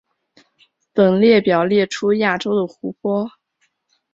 本列表列出亚洲的湖泊。